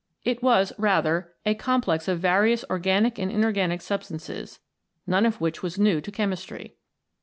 It was rather a complex of various organic and inorganic substances, none of which was new to chemistry.